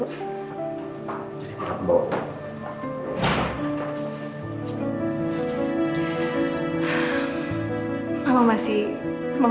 terima kasih mbak